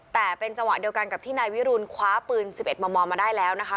แต่เป็นจังหวะเดียวกันกับที่นายวิรุณคว้าปืน๑๑มมมาได้แล้วนะคะ